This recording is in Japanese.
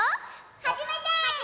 はじめて！